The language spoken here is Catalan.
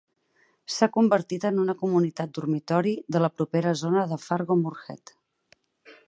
S'ha convertit en una comunitat dormitori de la propera zona de Fargo-Moorhead.